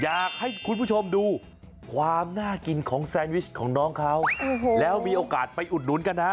อยากให้คุณผู้ชมดูความน่ากินของแซนวิชของน้องเขาแล้วมีโอกาสไปอุดหนุนกันนะ